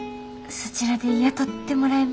そちらで雇ってもらえ。